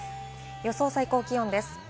予想最高気温です。